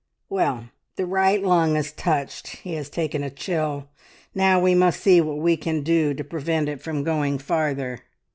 "Well! The right lung is touched. He has taken a chill. Now we must see what we can do to prevent it from going farther."